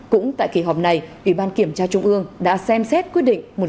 cũng tại kỳ họp này ủy ban kiểm tra trung ương đã xem xét quyết định một số nội dung quan trọng khác